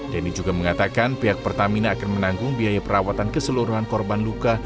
denny juga mengatakan pihak pertamina akan menanggung biaya perawatan keseluruhan korban luka